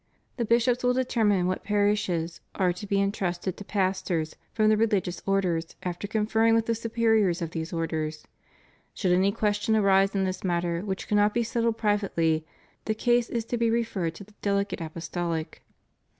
The bishops will determine what parishes are to be en 552 THE CHURCH IN THE PHILIPPINES. trusted to pastors from the religious orders after con ferring with the superiors of these orders. Should any question arise in this matter which cannot be settled pri vately, the case is to be referred to the Delegate Apostolic.